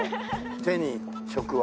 手に職は。